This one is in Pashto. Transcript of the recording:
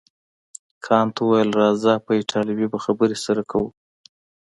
کانت وویل راځه په ایټالوي به خبرې سره کوو.